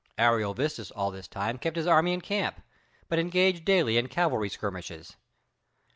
Ariovistus all this time kept his army in camp, but engaged daily in cavalry skirmishes.